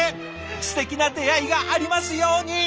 すてきな出会いがありますように！